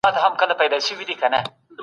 او تل به د نړۍ اتل وي.